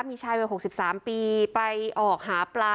มีชายวัย๖๓ปีไปออกหาปลา